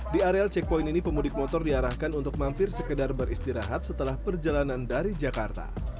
di area checkpoint ini pemudik motor diarahkan untuk mampir sekedar beristirahat setelah perjalanan dari jakarta